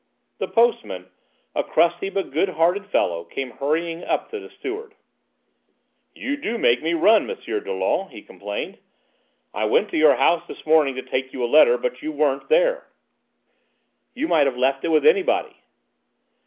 The postman, a crusty but good hearted fellow, came hurrying up to the steward. "You do make me run, M. Dollon," he complained. "I went to your house this morning to take you a letter, but you weren't there." "You might have left it with anybody."